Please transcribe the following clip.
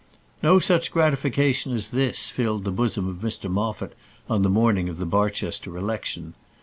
No such gratification as this filled the bosom of Mr Moffat on the morning of the Barchester election.